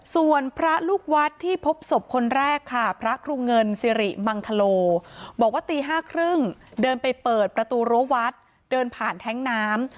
ส่วนพระลูกวัดที่พบศพคนแรกค่ะพระครูเงินสิริมังคโลบอกว่าตี๕๓๐เดินไปเปิดประตูรั้ววัดเดินผ่านแท้งน้ำ